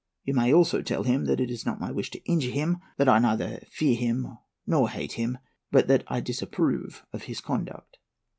You may also tell him that it is not my wish to injure him, that I neither fear him nor hate him, but that I disapprove of his conduct."